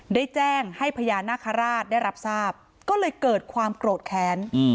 ได้แจ้งให้พญานาคาราชได้รับทราบก็เลยเกิดความโกรธแค้น